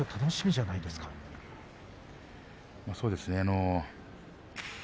そうですね。